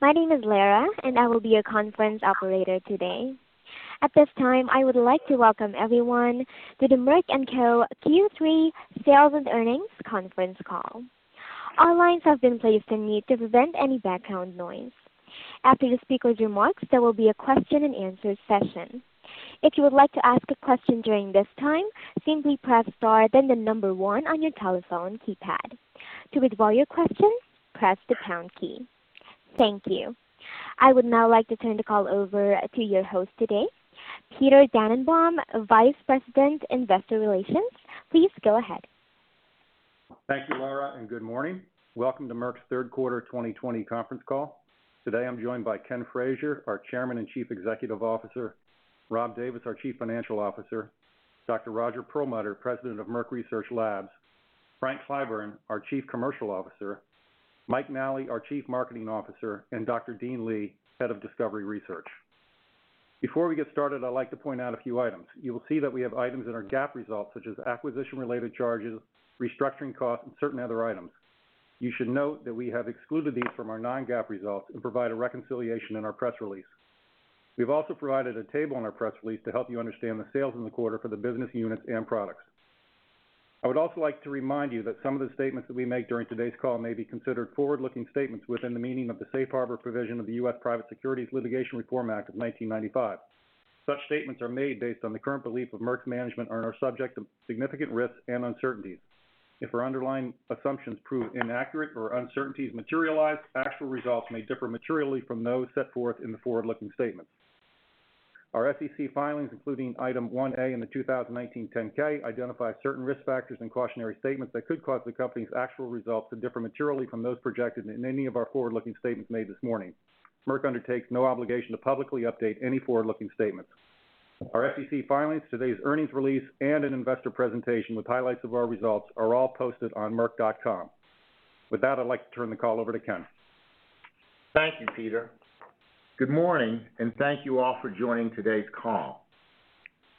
My name is Lara. I will be your conference operator today. At this time, I would like to welcome everyone to the Merck & Co Q3 Sales and Earnings Conference Call. All lines have been placed on mute to prevent any background noise. After the speakers' remarks, there will be a question-and-answer session. If you would like to ask a question during this time, simply press star then the number one on your telephone keypad. To withdraw your question, press the pound key. Thank you. I would now like to turn the call over to your host today, Peter Dannenbaum, Vice President, Investor Relations. Please go ahead. Thank you, Lara, and good morning. Welcome to Merck's third quarter 2020 conference call. Today, I'm joined by Ken Frazier, our Chairman and Chief Executive Officer, Rob Davis, our Chief Financial Officer, Dr. Roger Perlmutter, President of Merck Research Lab, Frank Clyburn, our Chief Commercial Officer, Mike Nally, our Chief Marketing Officer, and Dr. Dean Li, Head of Discovery Research. Before we get started, I'd like to point out a few items. You will see that we have items in our GAAP results such as acquisition-related charges, restructuring costs, and certain other items. You should note that we have excluded these from our non-GAAP results and provide a reconciliation in our press release. We've also provided a table in our press release to help you understand the sales in the quarter for the business units and products. I would also like to remind you that some of the statements that we make during today's call may be considered forward-looking statements within the meaning of the Safe Harbor provision of the U.S. Private Securities Litigation Reform Act of 1995. Such statements are made based on the current belief of Merck management and are subject to significant risks and uncertainties. If our underlying assumptions prove inaccurate or uncertainties materialize, actual results may differ materially from those set forth in the forward-looking statements. Our SEC filings, including Item 1A in the 2019 10-K, identify certain risk factors and cautionary statements that could cause the company's actual results to differ materially from those projected in any of our forward-looking statements made this morning. Merck undertakes no obligation to publicly update any forward-looking statements. Our SEC filings, today's earnings release, and an investor presentation with highlights of our results are all posted on merck.com. With that, I'd like to turn the call over to Ken. Thank you, Peter. Good morning, and thank you all for joining today's call.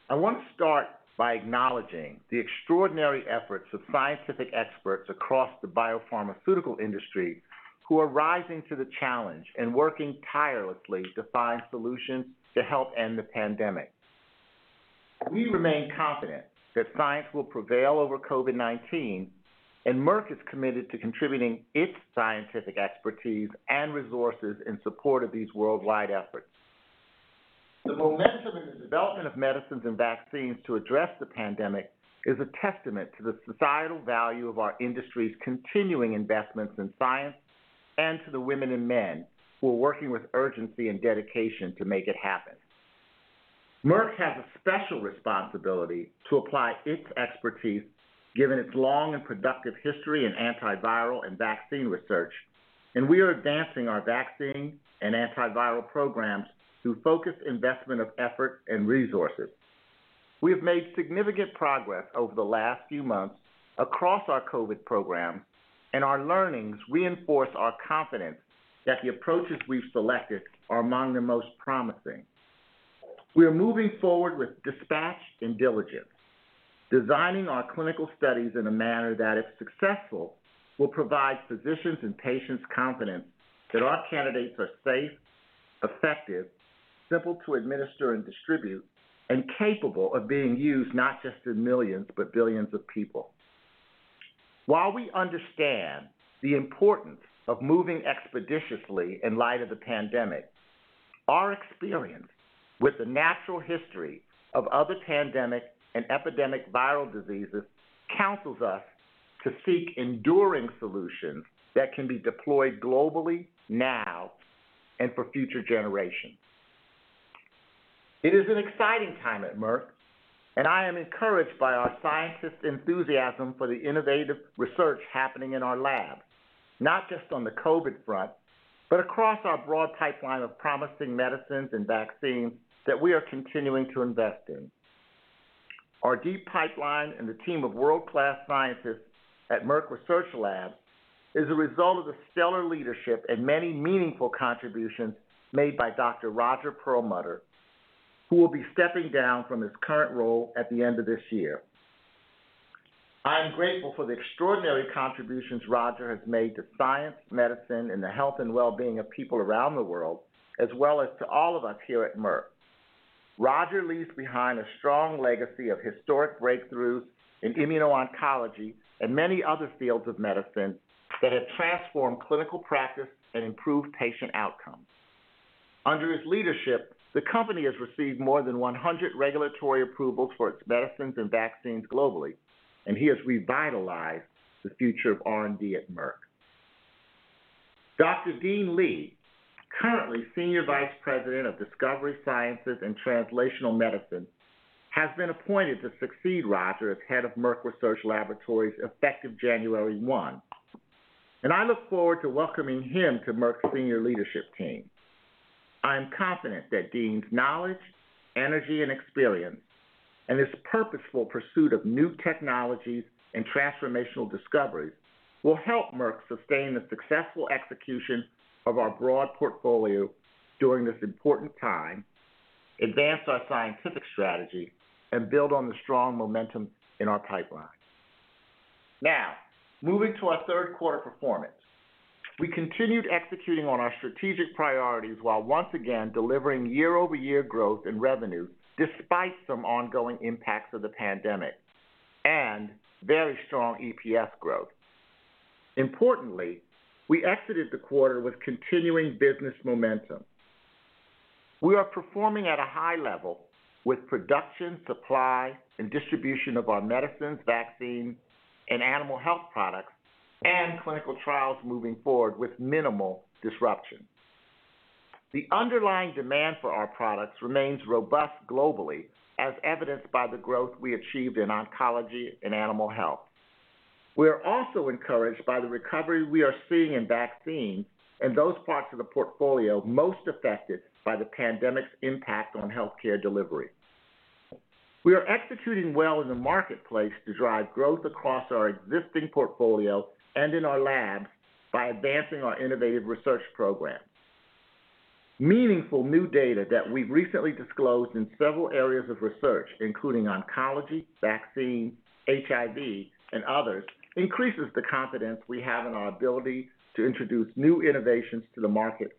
I want to start by acknowledging the extraordinary efforts of scientific experts across the biopharmaceutical industry who are rising to the challenge and working tirelessly to find solutions to help end the pandemic. We remain confident that science will prevail over COVID-19, and Merck is committed to contributing its scientific expertise and resources in support of these worldwide efforts. The momentum in the development of medicines and vaccines to address the pandemic is a testament to the societal value of our industry's continuing investments in science and to the women and men who are working with urgency and dedication to make it happen. Merck has a special responsibility to apply its expertise given its long and productive history in antiviral and vaccine research. We are advancing our vaccine and antiviral programs through focused investment of effort and resources. We have made significant progress over the last few months across our COVID program. Our learnings reinforce our confidence that the approaches we've selected are among the most promising. We are moving forward with dispatch and diligence, designing our clinical studies in a manner that, if successful, will provide physicians and patients confidence that our candidates are safe, effective, simple to administer and distribute, and capable of being used not just in millions, but billions of people. While we understand the importance of moving expeditiously in light of the pandemic, our experience with the natural history of other pandemic and epidemic viral diseases counsels us to seek enduring solutions that can be deployed globally now and for future generations. It is an exciting time at Merck, I am encouraged by our scientists' enthusiasm for the innovative research happening in our lab, not just on the COVID front, but across our broad pipeline of promising medicines and vaccines that we are continuing to invest in. Our deep pipeline and the team of world-class scientists at Merck Research Lab is a result of the stellar leadership and many meaningful contributions made by Dr. Roger Perlmutter, who will be stepping down from his current role at the end of this year. I am grateful for the extraordinary contributions Roger has made to science, medicine, and the health and well-being of people around the world, as well as to all of us here at Merck. Roger leaves behind a strong legacy of historic breakthroughs in immuno-oncology and many other fields of medicine that have transformed clinical practice and improved patient outcomes. Under his leadership, the company has received more than 100 regulatory approvals for its medicines and vaccines globally, and he has revitalized the future of R&D at Merck. Dr. Dean Li, currently Senior Vice President of Discovery Sciences and Translational Medicine, has been appointed to succeed Roger as head of Merck Research Laboratories effective January one, and I look forward to welcoming him to Merck's senior leadership team. I am confident that Dean's knowledge, energy, and experience, and his purposeful pursuit of new technologies and transformational discoveries will help Merck sustain the successful execution of our broad portfolio during this important time, advance our scientific strategy, and build on the strong momentum in our pipeline. Now, moving to our third quarter performance. We continued executing on our strategic priorities while once again delivering year-over-year growth in revenue despite some ongoing impacts of the pandemic, and very strong EPS growth. Importantly, we exited the quarter with continuing business momentum. We are performing at a high level with production, supply, and distribution of our medicines, vaccines, and animal health products, and clinical trials moving forward with minimal disruption. The underlying demand for our products remains robust globally, as evidenced by the growth we achieved in oncology and animal health. We are also encouraged by the recovery we are seeing in vaccines and those parts of the portfolio most affected by the pandemic's impact on healthcare delivery. We are executing well in the marketplace to drive growth across our existing portfolio and in our labs by advancing our innovative research program. Meaningful new data that we've recently disclosed in several areas of research, including oncology, vaccine, HIV, and others, increases the confidence we have in our ability to introduce new innovations to the market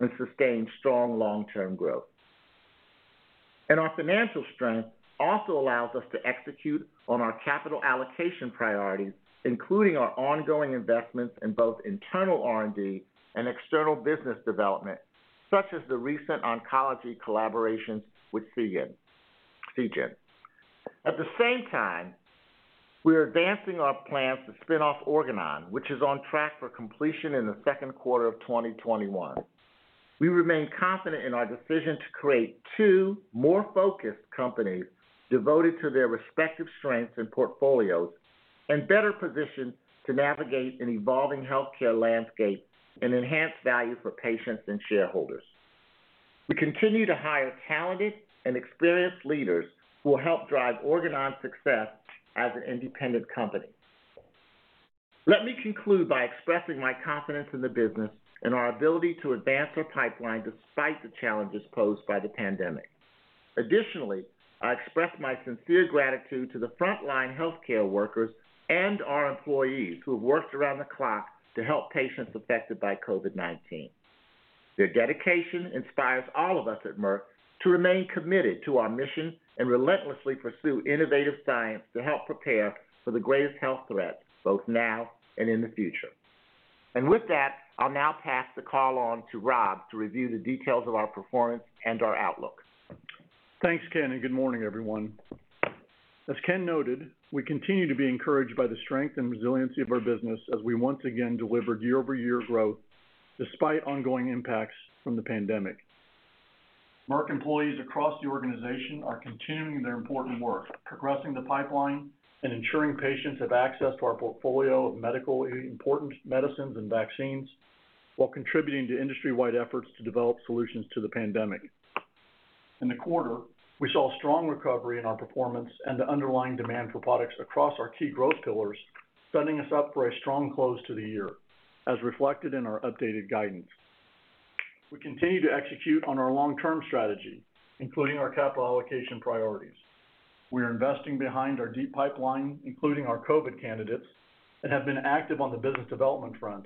and sustain strong long-term growth. Our financial strength also allows us to execute on our capital allocation priorities, including our ongoing investments in both internal R&D and external business development, such as the recent oncology collaborations with Seagen. At the same time, we are advancing our plans to spin off Organon, which is on track for completion in the second quarter of 2021. We remain confident in our decision to create two more focused companies devoted to their respective strengths and portfolios and better positioned to navigate an evolving healthcare landscape and enhance value for patients and shareholders. We continue to hire talented and experienced leaders who will help drive Organon's success as an independent company. Let me conclude by expressing my confidence in the business and our ability to advance our pipeline despite the challenges posed by the pandemic. Additionally, I express my sincere gratitude to the frontline healthcare workers and our employees who have worked around the clock to help patients affected by COVID-19. Their dedication inspires all of us at Merck to remain committed to our mission and relentlessly pursue innovative science to help prepare for the greatest health threats, both now and in the future. With that, I'll now pass the call on to Rob to review the details of our performance and our outlook. Thanks, Ken, and good morning, everyone. As Ken noted, we continue to be encouraged by the strength and resiliency of our business as we once again delivered year-over-year growth despite ongoing impacts from the pandemic. Merck employees across the organization are continuing their important work, progressing the pipeline and ensuring patients have access to our portfolio of important medicines and vaccines while contributing to industry-wide efforts to develop solutions to the pandemic. In the quarter, we saw strong recovery in our performance and the underlying demand for products across our key growth pillars, setting us up for a strong close to the year, as reflected in our updated guidance. We continue to execute on our long-term strategy, including our capital allocation priorities. We are investing behind our deep pipeline, including our COVID candidates, and have been active on the business development front.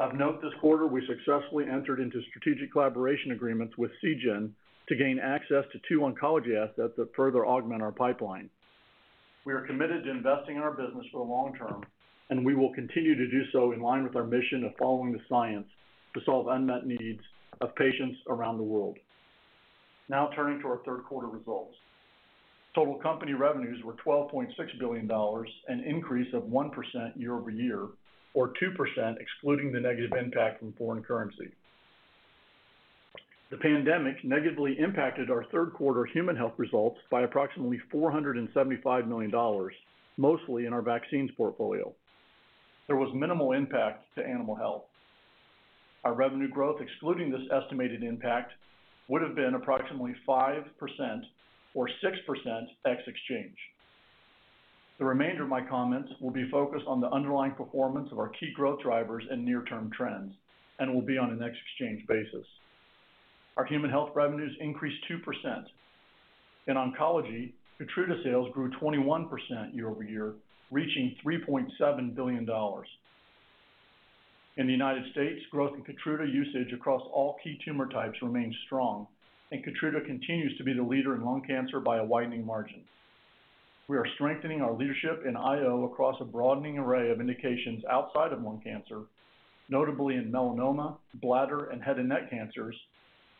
Of note this quarter, we successfully entered into strategic collaboration agreements with Seagen to gain access to two oncology assets that further augment our pipeline. We are committed to investing in our business for the long term, and we will continue to do so in line with our mission of following the science to solve unmet needs of patients around the world. Now turning to our third quarter results. Total company revenues were $12.6 billion, an increase of 1% year-over-year, or 2% excluding the negative impact from foreign currency. The pandemic negatively impacted our third quarter Human Health results by approximately $475 million, mostly in our vaccines portfolio. There was minimal impact to animal health. Our revenue growth, excluding this estimated impact, would have been approximately 5% or 6% ex-exchange. The remainder of my comments will be focused on the underlying performance of our key growth drivers and near-term trends and will be on a ex-exchange basis. Our human health revenues increased 2%. In oncology, KEYTRUDA sales grew 21% year-over-year, reaching $3.7 billion. In the United States, growth in KEYTRUDA usage across all key tumor types remains strong, and KEYTRUDA continues to be the leader in lung cancer by a widening margin. We are strengthening our leadership in IO across a broadening array of indications outside of lung cancer, notably in melanoma, bladder, and head and neck cancers,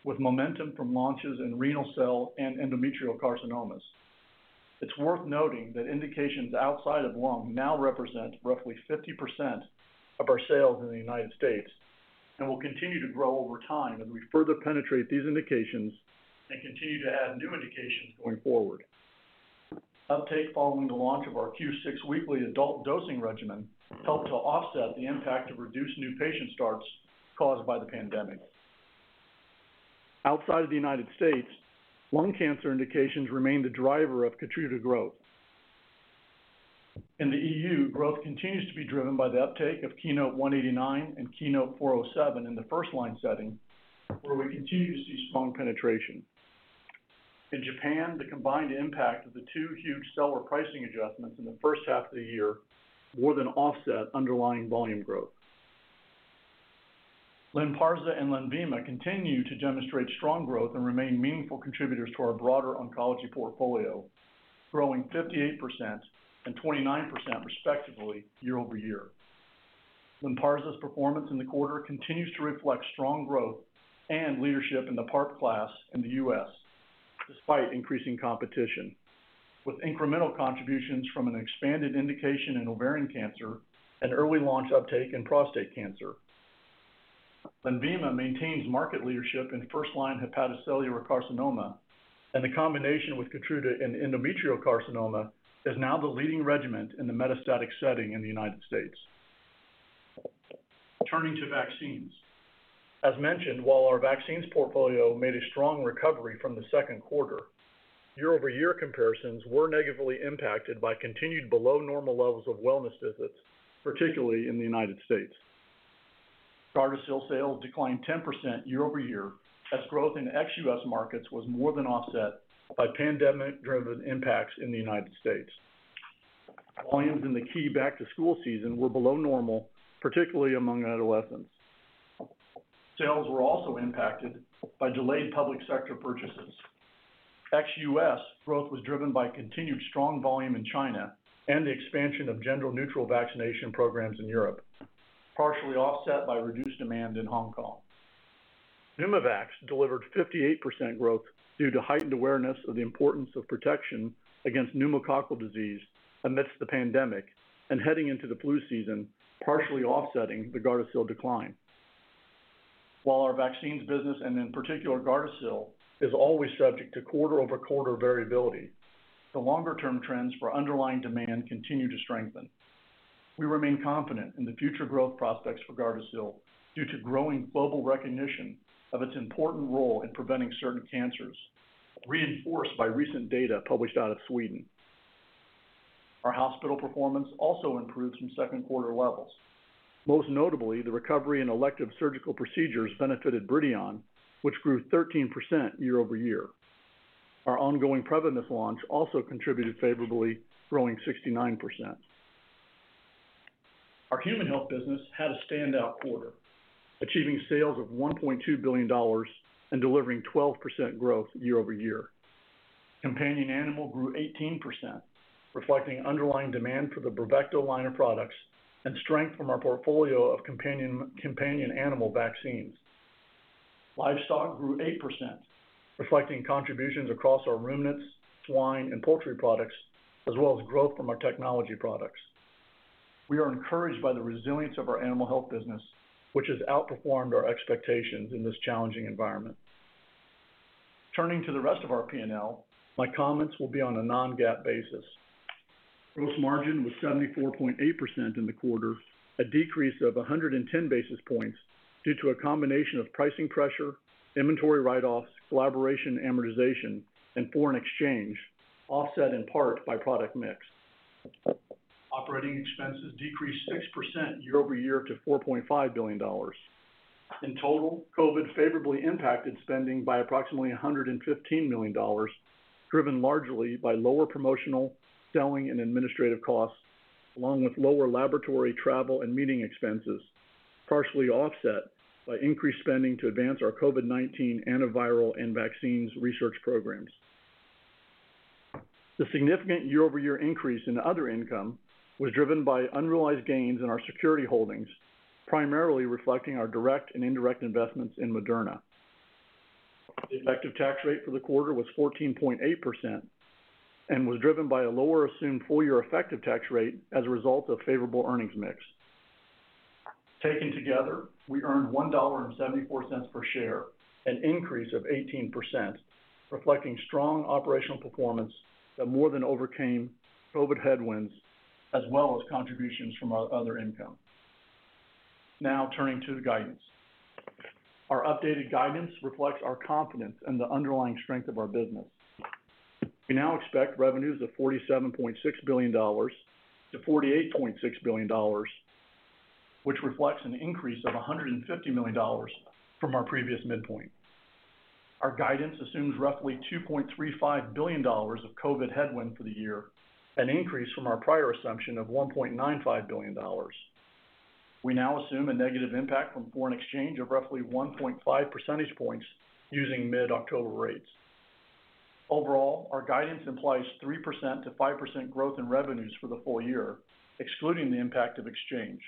with momentum from launches in renal cell and endometrial carcinomas. It's worth noting that indications outside of lung now represent roughly 50% of our sales in the United States and will continue to grow over time as we further penetrate these indications and continue to add new indications going forward. Uptake following the launch of our Q6 weekly adult dosing regimen helped to offset the impact of reduced new patient starts caused by the pandemic. Outside of the United States, lung cancer indications remain the driver of KEYTRUDA growth. In the EU, growth continues to be driven by the uptake of KEYNOTE-189 and KEYNOTE-407 in the first line setting, where we continue to see strong penetration. In Japan, the combined impact of the two huge seller pricing adjustments in the first half of the year more than offset underlying volume growth. LYNPARZA and LENVIMA continue to demonstrate strong growth and remain meaningful contributors to our broader oncology portfolio, growing 58% and 29% respectively year-over-year. LYNPARZA's performance in the quarter continues to reflect strong growth and leadership in the PARP class in the U.S., despite increasing competition, with incremental contributions from an expanded indication in ovarian cancer and early launch uptake in prostate cancer. LENVIMA maintains market leadership in first-line hepatocellular carcinoma, and the combination with KEYTRUDA in endometrial carcinoma is now the leading regimen in the metastatic setting in the United States. Turning to vaccines. As mentioned, while our vaccines portfolio made a strong recovery from the second quarter, year-over-year comparisons were negatively impacted by continued below-normal levels of wellness visits, particularly in the United States. GARDASIL sales declined 10% year-over-year as growth in ex-U.S. markets was more than offset by pandemic-driven impacts in the United States. Volumes in the key back-to-school season were below normal, particularly among adolescents. Sales were also impacted by delayed public sector purchases. ex-U.S. growth was driven by continued strong volume in China and the expansion of gender-neutral vaccination programs in Europe, partially offset by reduced demand in Hong Kong. PNEUMOVAX delivered 58% growth due to heightened awareness of the importance of protection against pneumococcal disease amidst the pandemic and heading into the flu season, partially offsetting the GARDASIL decline. While our vaccines business, and in particular GARDASIL, is always subject to quarter-over-quarter variability, the longer-term trends for underlying demand continue to strengthen. We remain confident in the future growth prospects for GARDASIL due to growing global recognition of its important role in preventing certain cancers, reinforced by recent data published out of Sweden. Our hospital performance also improved from second quarter levels. Most notably, the recovery in elective surgical procedures benefited BRIDION, which grew 13% year-over-year. Our ongoing PREVYMIS launch also contributed favorably, growing 69%. Our Human Health business had a standout quarter, achieving sales of $1.2 billion and delivering 12% growth year-over-year. Companion Animal grew 18%, reflecting underlying demand for the BRAVECTO line of products and strength from our portfolio of companion animal vaccines. Livestock grew 8%, reflecting contributions across our ruminants, swine, and poultry products, as well as growth from our technology products. We are encouraged by the resilience of our Animal Health business, which has outperformed our expectations in this challenging environment. Turning to the rest of our P&L, my comments will be on a non-GAAP basis. Gross margin was 74.8% in the quarter, a decrease of 110 basis points due to a combination of pricing pressure, inventory write-offs, collaboration amortization, and foreign exchange, offset in part by product mix. Operating expenses decreased 6% year-over-year to $4.5 billion. In total, COVID favorably impacted spending by approximately $115 million, driven largely by lower promotional, selling, and administrative costs, along with lower laboratory, travel, and meeting expenses, partially offset by increased spending to advance our COVID-19 antiviral and vaccines research programs. The significant year-over-year increase in other income was driven by unrealized gains in our security holdings, primarily reflecting our direct and indirect investments in Moderna. The effective tax rate for the quarter was 14.8% and was driven by a lower assumed full-year effective tax rate as a result of favorable earnings mix. Taken together, we earned $1.74 per share, an increase of 18%, reflecting strong operational performance that more than overcame COVID headwinds, as well as contributions from our other income. Turning to the guidance. Our updated guidance reflects our confidence in the underlying strength of our business. We now expect revenues of $47.6 billion-$48.6 billion, which reflects an increase of $150 million from our previous midpoint. Our guidance assumes roughly $2.35 billion of COVID headwind for the year, an increase from our prior assumption of $1.95 billion. We now assume a negative impact from foreign exchange of roughly 1.5 percentage points using mid-October rates. Our guidance implies 3%-5% growth in revenues for the full year, excluding the impact of exchange.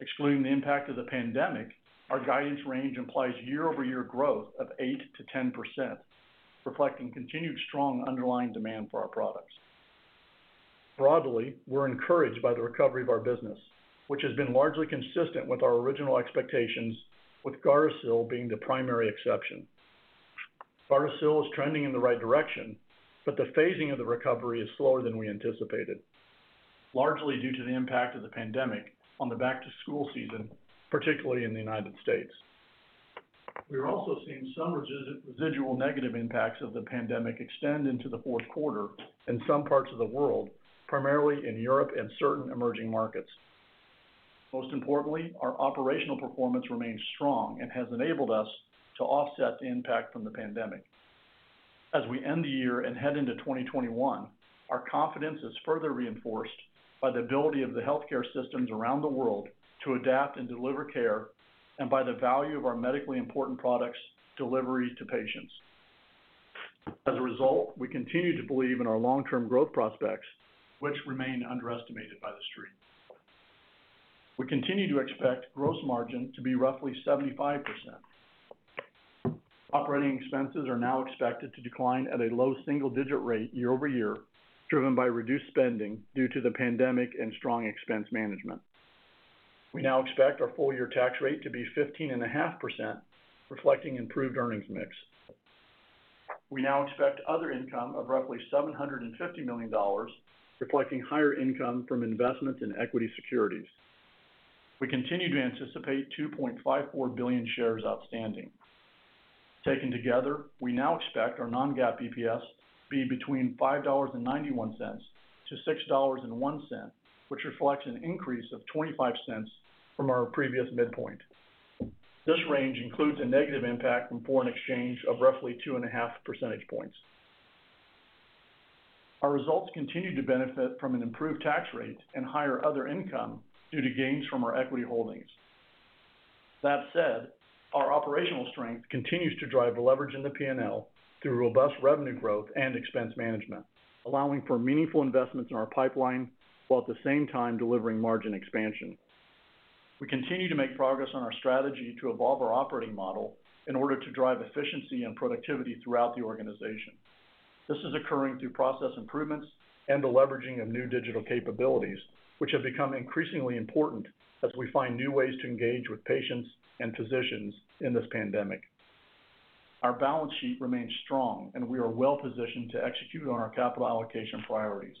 Excluding the impact of the pandemic, our guidance range implies year-over-year growth of 8%-10%, reflecting continued strong underlying demand for our products. Broadly, we're encouraged by the recovery of our business, which has been largely consistent with our original expectations, with GARDASIL being the primary exception. GARDASIL is trending in the right direction, the phasing of the recovery is slower than we anticipated, largely due to the impact of the pandemic on the back-to-school season, particularly in the United States. We are also seeing some residual negative impacts of the pandemic extend into the fourth quarter in some parts of the world, primarily in Europe and certain emerging markets. Most importantly, our operational performance remains strong and has enabled us to offset the impact from the pandemic. As we end the year and head into 2021, our confidence is further reinforced by the ability of the healthcare systems around the world to adapt and deliver care, and by the value of our medically important products' delivery to patients. As a result, we continue to believe in our long-term growth prospects, which remain underestimated by the street. We continue to expect gross margin to be roughly 75%. Operating expenses are now expected to decline at a low-single-digit rate year-over-year, driven by reduced spending due to the pandemic and strong expense management. We now expect our full-year tax rate to be 15.5%, reflecting improved earnings mix. We now expect other income of roughly $750 million, reflecting higher income from investments in equity securities. We continue to anticipate 2.54 billion shares outstanding. Taken together, we now expect our non-GAAP EPS be between $5.91-$6.01, which reflects an increase of $0.25 from our previous midpoint. This range includes a negative impact from foreign exchange of roughly 2.5 percentage points. Our results continue to benefit from an improved tax rate and higher other income due to gains from our equity holdings. That said, our operational strength continues to drive leverage in the P&L through robust revenue growth and expense management, allowing for meaningful investments in our pipeline, while at the same time delivering margin expansion. We continue to make progress on our strategy to evolve our operating model in order to drive efficiency and productivity throughout the organization. This is occurring through process improvements and the leveraging of new digital capabilities, which have become increasingly important as we find new ways to engage with patients and physicians in this pandemic. Our balance sheet remains strong, and we are well-positioned to execute on our capital allocation priorities.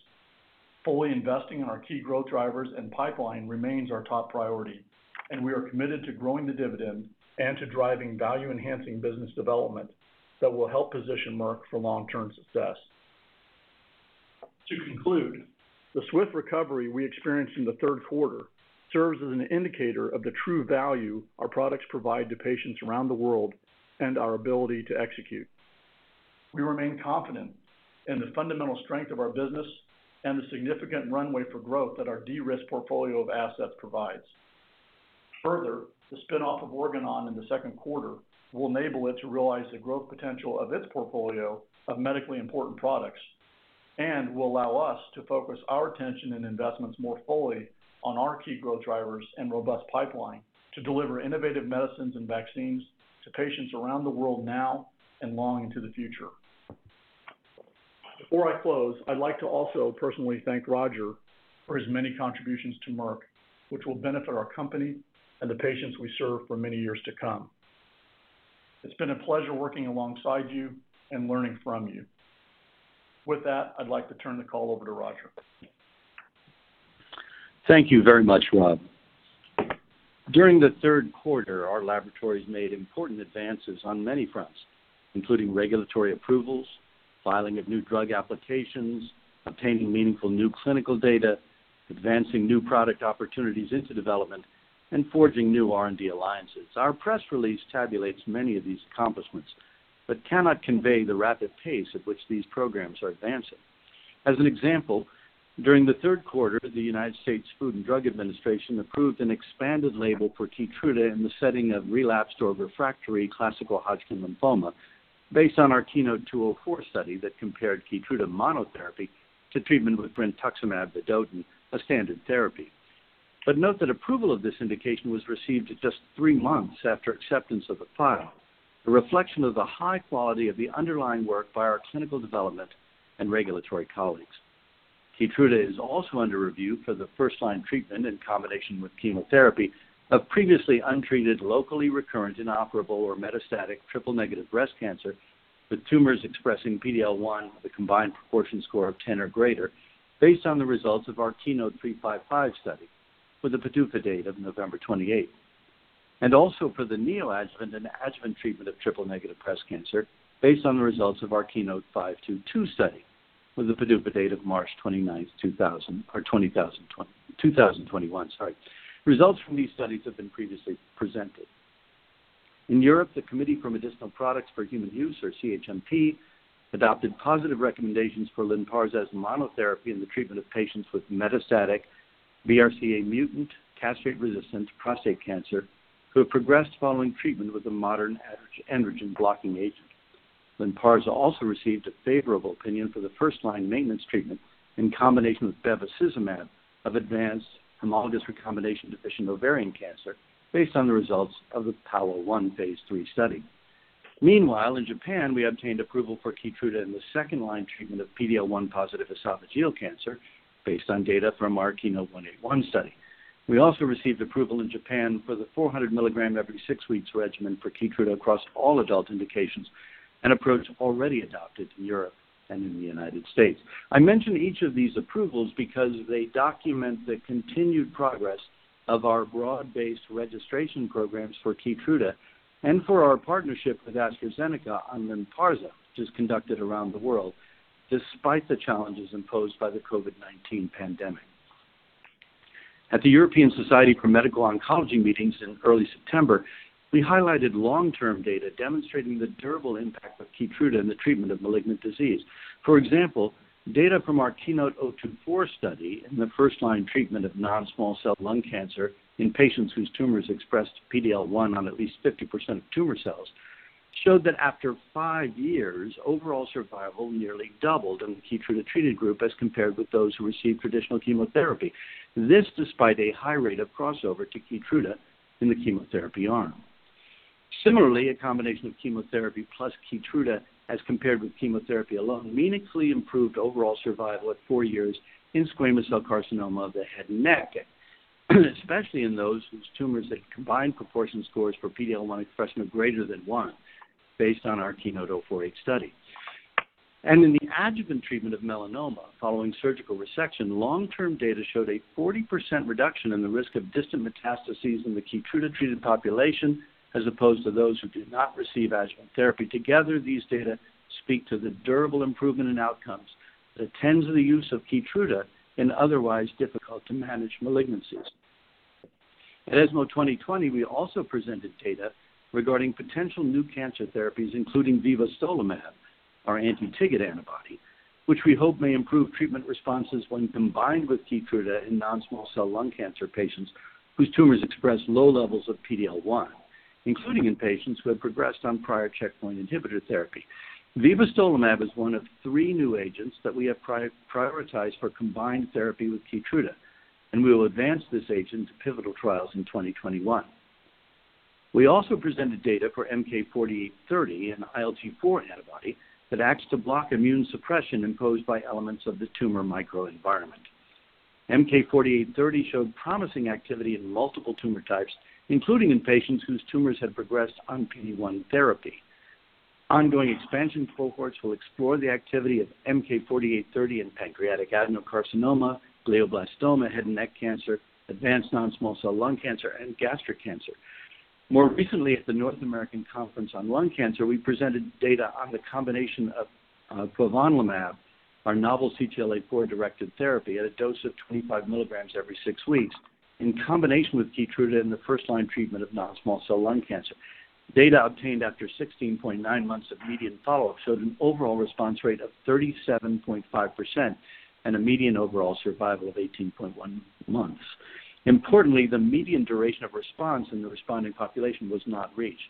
Fully investing in our key growth drivers and pipeline remains our top priority. We are committed to growing the dividend and to driving value-enhancing business development that will help position Merck for long-term success. To conclude, the swift recovery we experienced in the third quarter serves as an indicator of the true value our products provide to patients around the world and our ability to execute. We remain confident in the fundamental strength of our business and the significant runway for growth that our de-risked portfolio of assets provides. Further, the spin-off of Organon in the second quarter will enable it to realize the growth potential of its portfolio of medically important products and will allow us to focus our attention and investments more fully on our key growth drivers and robust pipeline to deliver innovative medicines and vaccines to patients around the world now and long into the future. Before I close, I'd like to also personally thank Roger for his many contributions to Merck, which will benefit our company and the patients we serve for many years to come. It's been a pleasure working alongside you and learning from you. With that, I'd like to turn the call over to Roger. Thank you very much, Rob. During the third quarter, our laboratories made important advances on many fronts, including regulatory approvals, filing of new drug applications, obtaining meaningful new clinical data, advancing new product opportunities into development, and forging new R&D alliances. Our press release tabulates many of these accomplishments, cannot convey the rapid pace at which these programs are advancing. As an example, during the third quarter, the United States Food and Drug Administration approved an expanded label for KEYTRUDA in the setting of relapsed or refractory classical Hodgkin lymphoma based on our KEYNOTE-204 study that compared KEYTRUDA monotherapy to treatment with brentuximab vedotin, a standard therapy. Note that approval of this indication was received just three months after acceptance of the file, a reflection of the high quality of the underlying work by our clinical development and regulatory colleagues. KEYTRUDA is also under review for the first-line treatment in combination with chemotherapy of previously untreated, locally recurrent, inoperable, or metastatic triple-negative breast cancer with tumors expressing PD-L1 with a combined positive score of 10 or greater based on the results of our KEYNOTE-355 study with a PDUFA date of November 28th. Also for the neoadjuvant and adjuvant treatment of triple-negative breast cancer based on the results of our KEYNOTE-522 study with a PDUFA date of March 29th, 2021. Results from these studies have been previously presented. In Europe, the Committee for Medicinal Products for Human Use, or CHMP, adopted positive recommendations for LYNPARZA as monotherapy in the treatment of patients with metastatic BRCA mutant, castrate-resistant prostate cancer who have progressed following treatment with a modern androgen blocking agent. LYNPARZA also received a favorable opinion for the first-line maintenance treatment in combination with bevacizumab of advanced homologous recombination-deficient ovarian cancer based on the results of the PAOLA-1 phase III study. In Japan, we obtained approval for KEYTRUDA in the second-line treatment of PD-L1 positive esophageal cancer based on data from our KEYNOTE-181 study. We received approval in Japan for the 400 mg every six weeks regimen for KEYTRUDA across all adult indications, an approach already adopted in Europe and in the United States. I mention each of these approvals because they document the continued progress of our broad-based registration programs for KEYTRUDA and for our partnership with AstraZeneca on LYNPARZA, which is conducted around the world. Despite the challenges imposed by the COVID-19 pandemic. At the European Society for Medical Oncology meetings in early September, we highlighted long-term data demonstrating the durable impact of KEYTRUDA in the treatment of malignant disease. For example, data from our KEYNOTE-024 study in the first-line treatment of non-small cell lung cancer in patients whose tumors expressed PD-L1 on at least 50% of tumor cells, showed that after five years, overall survival nearly doubled in the KEYTRUDA treated group as compared with those who received traditional chemotherapy. This despite a high rate of crossover to KEYTRUDA in the chemotherapy arm. Similarly, a combination of chemotherapy plus KEYTRUDA as compared with chemotherapy alone, meaningfully improved overall survival at four years in squamous cell carcinoma of the head and neck, especially in those whose tumors had combined positive scores for PD-L1 expression of greater than one, based on our KEYNOTE-048 study. In the adjuvant treatment of melanoma following surgical resection, long-term data showed a 40% reduction in the risk of distant metastases in the KEYTRUDA-treated population, as opposed to those who did not receive adjuvant therapy. Together, these data speak to the durable improvement in outcomes that attends the use of KEYTRUDA in otherwise difficult-to-manage malignancies. At ESMO 2020, we also presented data regarding potential new cancer therapies, including vibostolimab, our anti-TIGIT antibody, which we hope may improve treatment responses when combined with KEYTRUDA in non-small cell lung cancer patients whose tumors express low levels of PD-L1, including in patients who have progressed on prior checkpoint inhibitor therapy. Vibostolimab is one of three new agents that we have prioritized for combined therapy with KEYTRUDA, and we will advance this agent to pivotal trials in 2021. We also presented data for MK-4830, an ILT4 antibody that acts to block immune suppression imposed by elements of the tumor microenvironment. MK-4830 showed promising activity in multiple tumor types, including in patients whose tumors had progressed on PD-1 therapy. Ongoing expansion cohorts will explore the activity of MK-4830 in pancreatic adenocarcinoma, glioblastoma, head and neck cancer, advanced non-small cell lung cancer, and gastric cancer. More recently, at the North America Conference on Lung Cancer, we presented data on the combination of quavonlimab, our novel CTLA-4-directed therapy at a dose of 25 mg every six weeks, in combination with KEYTRUDA in the first-line treatment of non-small cell lung cancer. Data obtained after 16.9 months of median follow-up showed an overall response rate of 37.5% and a median overall survival of 18.1 months. Importantly, the median duration of response in the responding population was not reached.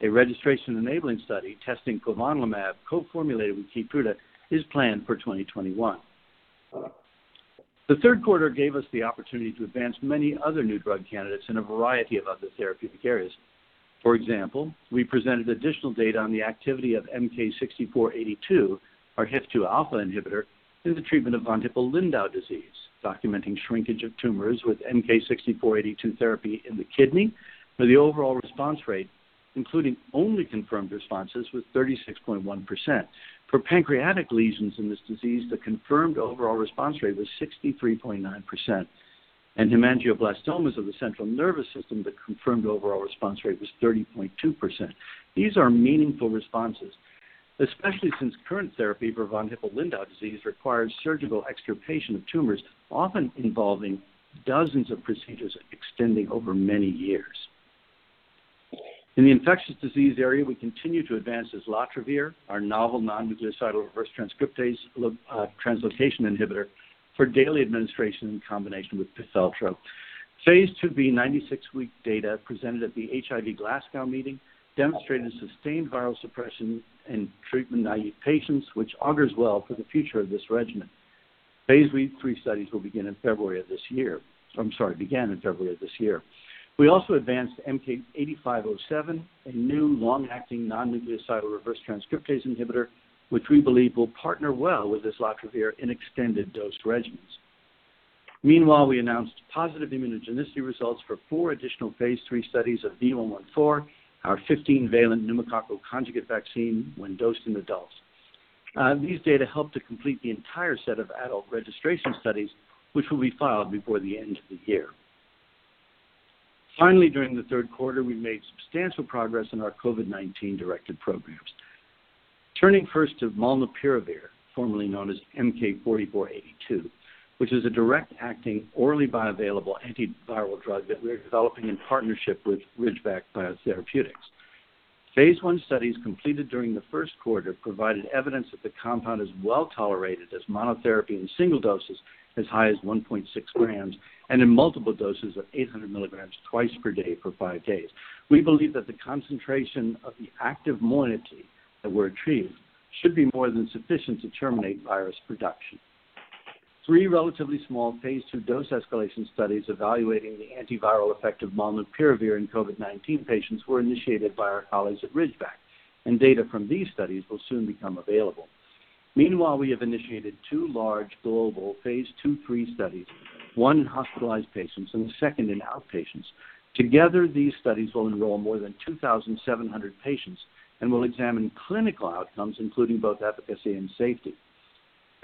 A registration enabling study testing quavonlimab co-formulated with KEYTRUDA is planned for 2021. The third quarter gave us the opportunity to advance many other new drug candidates in a variety of other therapeutic areas. We presented additional data on the activity of MK-6482, our HIF-2 alpha inhibitor, in the treatment of von Hippel-Lindau disease, documenting shrinkage of tumors with MK-6482 therapy in the kidney. The overall response rate, including only confirmed responses, was 36.1%. Pancreatic lesions in this disease, the confirmed overall response rate was 63.9%. Hemangioblastomas of the central nervous system, the confirmed overall response rate was 30.2%. These are meaningful responses, especially since current therapy for von Hippel-Lindau disease requires surgical extirpation of tumors, often involving dozens of procedures extending over many years. In the infectious disease area, we continue to advance islatravir, our novel non-nucleoside reverse transcriptase translocation inhibitor for daily administration in combination with doravirine. Phase II-B 96-week data presented at the HIV Glasgow meeting demonstrated sustained viral suppression in treatment-naive patients, which augurs well for the future of this regimen. Phase III studies began in February of this year. We also advanced MK-8507, a new long-acting non-nucleoside reverse transcriptase inhibitor, which we believe will partner well with islatravir in extended dose regimens. Meanwhile, we announced positive immunogenicity results for four additional phase III studies of V114, our 15-valent pneumococcal conjugate vaccine when dosed in adults. These data help to complete the entire set of adult registration studies, which will be filed before the end of the year. Finally, during the third quarter, we made substantial progress in our COVID-19-directed programs. Turning first to molnupiravir, formerly known as MK-4482, which is a direct-acting, orally bioavailable antiviral drug that we're developing in partnership with Ridgeback Biotherapeutics. Phase I studies completed during the first quarter provided evidence that the compound is well-tolerated as monotherapy in single doses as high as 1.6 g and in multiple doses of 800 mg twice per day for five days. We believe that the concentration of the active moiety that we're achieving should be more than sufficient to terminate virus production. Three relatively small phase II dose escalation studies evaluating the antiviral effect of molnupiravir in COVID-19 patients were initiated by our colleagues at Ridgeback. Data from these studies will soon become available. Meanwhile, we have initiated two large global phase II/III studies, one in hospitalized patients and the second in outpatients. Together, these studies will enroll more than 2,700 patients and will examine clinical outcomes, including both efficacy and safety.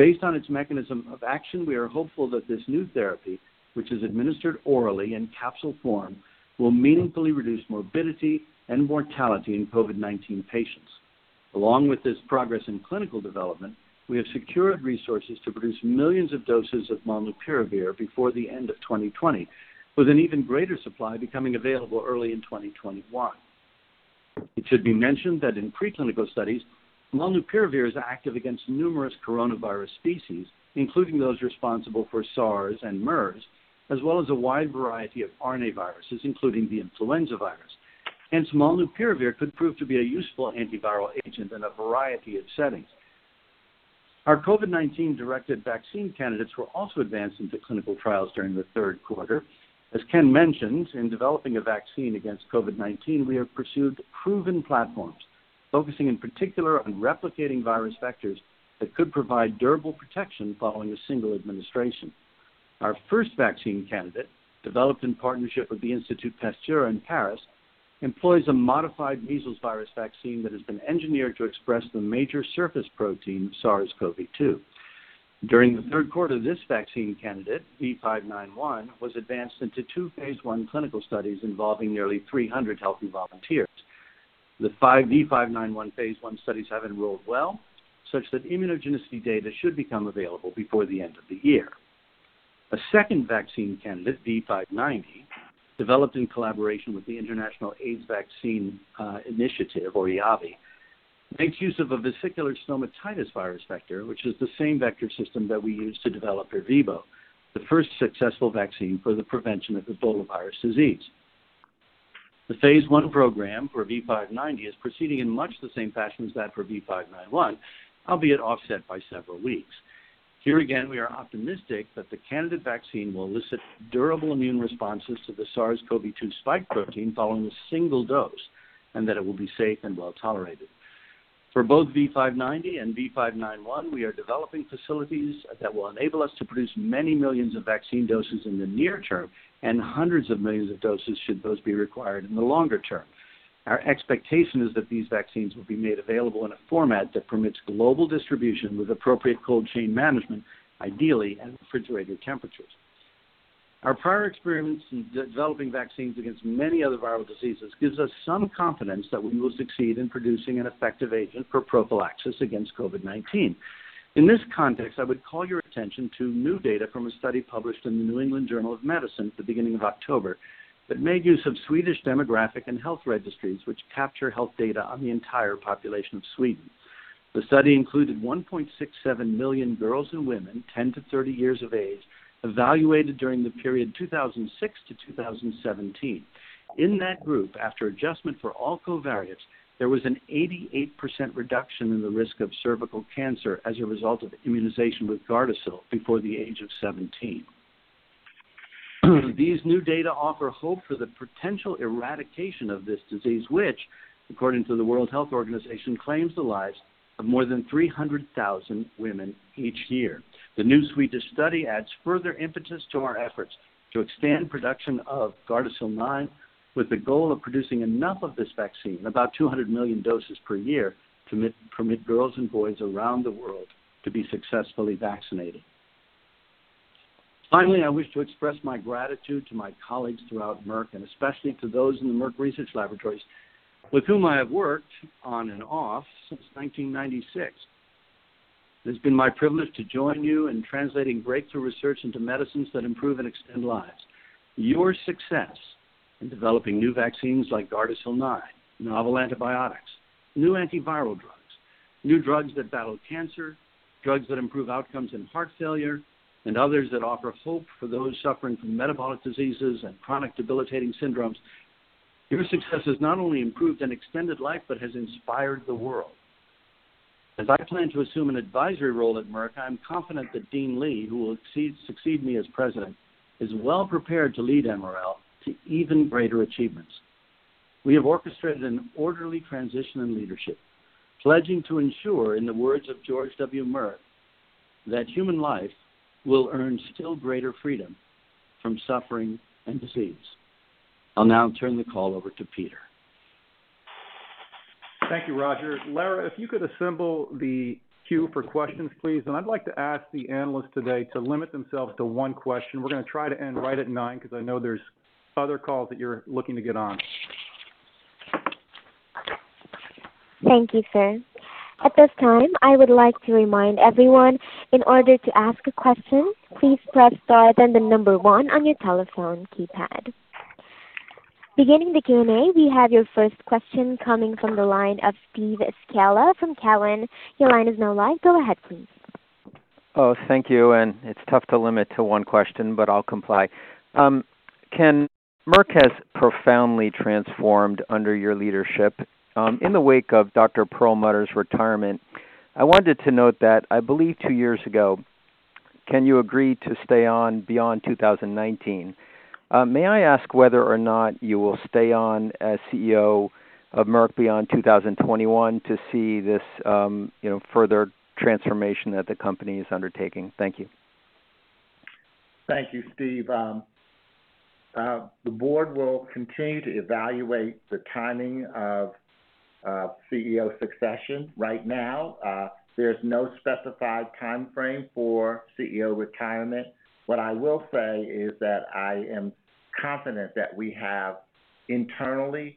Based on its mechanism of action, we are hopeful that this new therapy, which is administered orally in capsule form, will meaningfully reduce morbidity and mortality in COVID-19 patients. Along with this progress in clinical development, we have secured resources to produce millions of doses of molnupiravir before the end of 2020, with an even greater supply becoming available early in 2021. It should be mentioned that in preclinical studies, molnupiravir is active against numerous coronavirus species, including those responsible for SARS and MERS, as well as a wide variety of RNA viruses, including the influenza virus. Molnupiravir could prove to be a useful antiviral agent in a variety of settings. Our COVID-19-directed vaccine candidates were also advanced into clinical trials during the third quarter. As Ken mentioned, in developing a vaccine against COVID-19, we have pursued proven platforms, focusing in particular on replicating virus vectors that could provide durable protection following a single administration. Our first vaccine candidate, developed in partnership with the Institut Pasteur in Paris, employs a modified measles virus vaccine that has been engineered to express the major surface protein, SARS-CoV-2. During the third quarter, this vaccine candidate, V591, was advanced into two phase I clinical studies involving nearly 300 healthy volunteers. The V591 phase I studies have enrolled well, such that immunogenicity data should become available before the end of the year. A second vaccine candidate, V590, developed in collaboration with the International AIDS Vaccine Initiative, or IAVI, makes use of a vesicular stomatitis virus vector, which is the same vector system that we used to develop ERVEBO, the first successful vaccine for the prevention of Ebola virus disease. The phase I program for V590 is proceeding in much the same fashion as that for V591, albeit offset by several weeks. Here again, we are optimistic that the candidate vaccine will elicit durable immune responses to the SARS-CoV-2 spike protein following a single dose, and that it will be safe and well-tolerated. For both V590 and V591, we are developing facilities that will enable us to produce many millions of vaccine doses in the near term, and hundreds of millions of doses should those be required in the longer term. Our expectation is that these vaccines will be made available in a format that permits global distribution with appropriate cold chain management, ideally at refrigerated temperatures. Our prior experience in developing vaccines against many other viral diseases gives us some confidence that we will succeed in producing an effective agent for prophylaxis against COVID-19. In this context, I would call your attention to new data from a study published in the New England Journal of Medicine at the beginning of October that made use of Swedish demographic and health registries, which capture health data on the entire population of Sweden. The study included 1.67 million girls and women 10-30 years of age, evaluated during the period 2006 to 2017. In that group, after adjustment for all covariates, there was an 88% reduction in the risk of cervical cancer as a result of immunization with GARDASIL before the age of 17. These new data offer hope for the potential eradication of this disease, which according to the World Health Organization, claims the lives of more than 300,000 women each year. The new Swedish study adds further impetus to our efforts to expand production of GARDASIL 9, with the goal of producing enough of this vaccine, about 200 million doses per year, to permit girls and boys around the world to be successfully vaccinated. Finally, I wish to express my gratitude to my colleagues throughout Merck, and especially to those in the Merck Research Laboratories with whom I have worked on and off since 1996. It has been my privilege to join you in translating breakthrough research into medicines that improve and extend lives. Your success in developing new vaccines like GARDASIL 9, novel antibiotics, new antiviral drugs, new drugs that battle cancer, drugs that improve outcomes in heart failure, and others that offer hope for those suffering from metabolic diseases and chronic debilitating syndromes, has not only improved and extended life, but has inspired the world. As I plan to assume an advisory role at Merck, I am confident that Dean Li, who will succeed me as president, is well-prepared to lead MRL to even greater achievements. We have orchestrated an orderly transition in leadership, pledging to ensure, in the words of George W. Merck, that human life will earn still greater freedom from suffering and disease. I'll now turn the call over to Peter. Thank you, Roger. Lara, if you could assemble the queue for questions, please. I'd like to ask the analysts today to limit themselves to one question. We're going to try to end right at 9:00 A.M. because I know there's other calls that you're looking to get on. Thank you, sir. At this time, I would like to remind everyone, in order to ask a question, please press star then the number one on your telephone keypad. Beginning the Q&A, we have your first question coming from the line of Steve Scala from Cowen. Your line is now live. Go ahead, please. Oh, thank you. It's tough to limit to one question, but I'll comply. Ken, Merck has profoundly transformed under your leadership. In the wake of Dr. Perlmutter's retirement, I wanted to note that I believe two years ago, Ken, you agreed to stay on beyond 2019. May I ask whether or not you will stay on as CEO of Merck beyond 2021 to see this further transformation that the company is undertaking? Thank you. Thank you, Steve. The board will continue to evaluate the timing of CEO succession. Right now, there's no specified timeframe for CEO retirement. What I will say is that I am confident that we have internally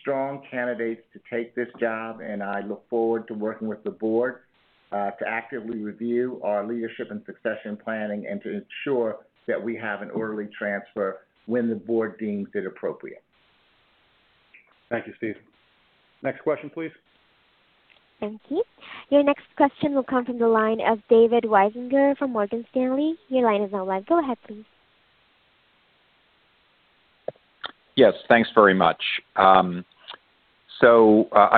strong candidates to take this job, and I look forward to working with the board to actively review our leadership and succession planning and to ensure that we have an orderly transfer when the board deems it appropriate. Thank you, Steve. Next question, please. Thank you. Your next question will come from the line of David Risinger from Morgan Stanley. Your line is now live. Go ahead, please. Yes, thanks very much. I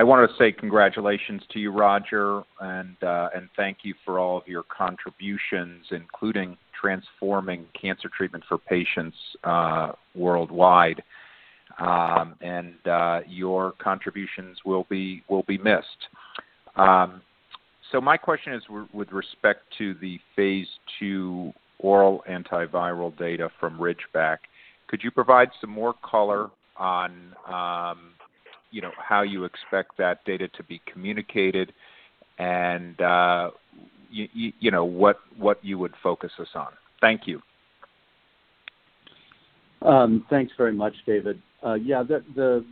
wanted to say congratulations to you, Roger, and thank you for all of your contributions, including transforming cancer treatment for patients worldwide. Your contributions will be missed. My question is with respect to the phase II oral antiviral data from Ridgeback. Could you provide some more color on how you expect that data to be communicated and what you would focus us on? Thank you. Thanks very much, David. The